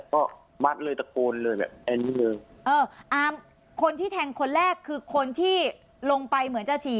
ก็มัดเลยตะโกนเลยแบบอันนี้เลยเอออามคนที่แทงคนแรกคือคนที่ลงไปเหมือนจะฉี่